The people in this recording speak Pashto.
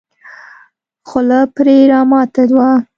خوله پرې راماته وه.